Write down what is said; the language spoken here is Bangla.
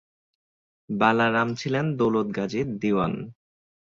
বালা রাম ছিলেন দৌলত গাজীর দিওয়ান।